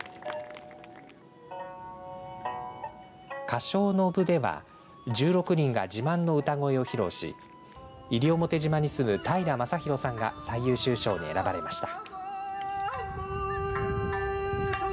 歌唱の部では１６人が自慢の歌声を披露し西表島に住む平良昌裕さんが最優秀賞に選ばれました。